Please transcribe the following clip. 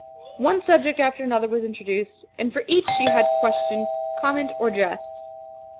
One subject after another was introduced, and for each she had question, comment, or jest.